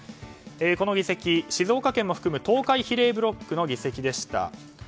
この議席、静岡県も含む東海比例ブロックの議席でした。